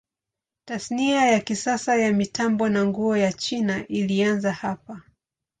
Tasnia ya kisasa ya mitambo na nguo ya China ilianza hapa.